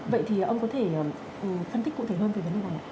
vậy thì ông có thể phân tích cụ thể hơn về vấn đề này ạ